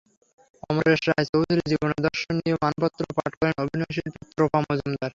অমরেশ রায় চৌধুরীর জীবনাদর্শ নিয়ে মানপত্র পাঠ করেন অভিনয়শিল্পী ত্রপা মজুমদার।